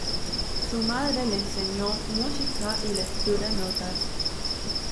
Su madre le enseñó música y lectura notas.